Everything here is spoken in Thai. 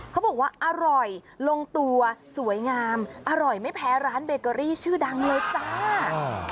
เขาบอกว่าอร่อยลงตัวสวยงามอร่อยไม่แพ้ร้านเบเกอรี่ชื่อดังเลยจ้า